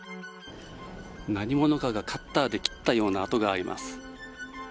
何者かがカッターで切ったような跡があります。